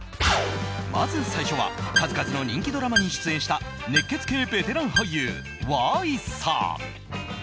まず最初は数々の人気ドラマに出演した熱血系ベテラン俳優・Ｙさん。